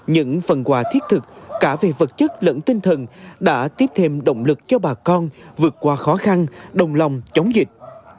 những phần quà thiết thực cả về vật chất lẫn tinh thần đã tiếp thêm động lực cho bà con vượt qua khó khăn đồng lòng chống dịch